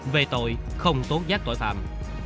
về tội không tốt giác tội phạm